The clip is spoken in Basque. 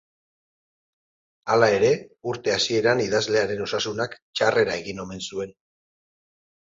Hala ere, urte hasieran idazlearen osasunak txarrera egin omen zuen.